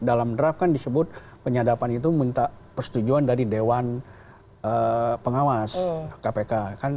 dalam draft kan disebut penyadapan itu minta persetujuan dari dewan pengawas kpk